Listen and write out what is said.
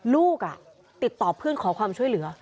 ลูกติดต่อเพื่อนขอความช่วยเหลือ